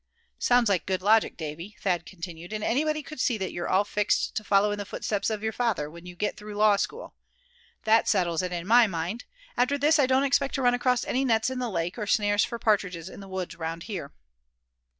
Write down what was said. "Sounds like good logic, Davy," Thad continued; "and anybody could see that you're all fixed to follow in the footsteps of your father, when you get through law school. That settles it, in my mind. After this I don't expect to run across any nets in the lake, or snares for partridges in the woods around here."